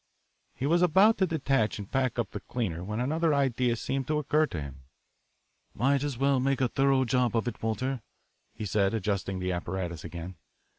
He was about to detach and pack up the cleaner when another idea seemed to occur to him. "Might as well make a thorough job of it, Walter," he said, adjusting the apparatus again.